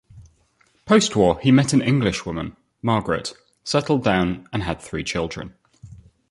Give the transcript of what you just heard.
Post-war he met an Englishwoman, Margaret, settled down and had three children.